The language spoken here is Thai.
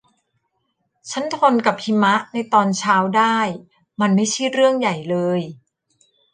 ฉันทนกับหิมะในตอนเช้าได้ มันไม่ใช่เรื่องใหญ่เลย